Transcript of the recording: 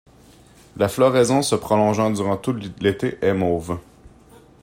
La floraison, se prolongeant durant tout l'été, est mauve.